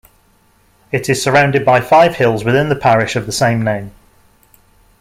It is surrounded by five hills within the parish of the same name.